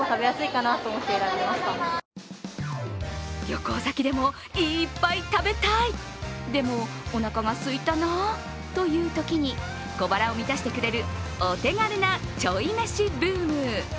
旅行先でもいっぱい食べたいでも、おなかがすいたなというときに、小腹を満たしてくれるお手軽なちょい飯ブーム。